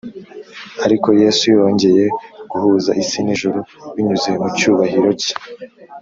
ariko Yesu yongeye guhuza isi n’ijuru binyuze mu cyubahiro cye